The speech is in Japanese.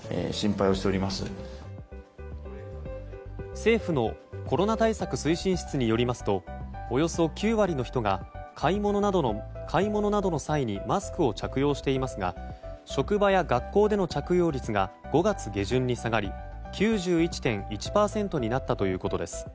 政府のコロナ対策推進室によりますとおよそ９割の人が買い物などの際にマスクを着用していますが職場や学校での着用率が５月下旬に下がり９１．１％になったということです。